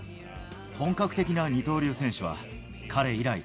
本格的な二刀流選手は、彼以来。